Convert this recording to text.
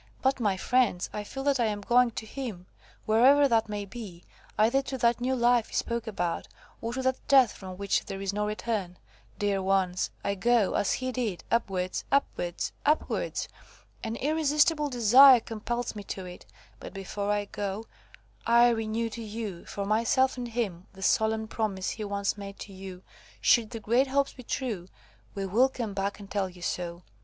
"But, my friends, I feel that I am going to him, wherever that may be, either to that new life he spoke about, or to that death from which there is no return. Dear ones! I go, as he did, upwards, upwards, upwards! An irresistible desire compels me to it; but before I go, I renew to you–for myself and him–the solemn promise he once made to you. Should the great hopes be true, we will come back and tell you so.